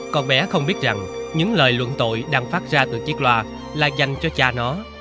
còn bé không biết rằng những lời luận tội đang phát ra từ chiếc loa là dành cho cha nó